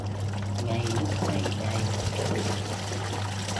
Ngay lúc này đây